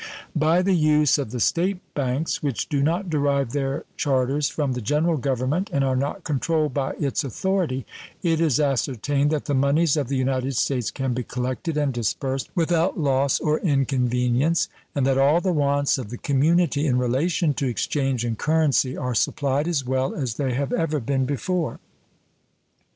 By the use of the State banks, which do not derive their charters from the General Government and are not controlled by its authority, it is ascertained that the moneys of the United States can be collected and disbursed without loss or inconvenience, and that all the wants of the community in relation to exchange and currency are supplied as well as they have ever been before.